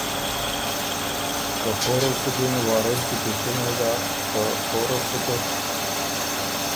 که پوره ل سُکِن وارث دی پِشتِنه داک که ”پوره ر سُکې؟“